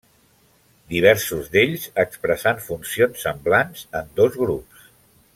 Diversos d'ells expressant funcions semblants en dos grups.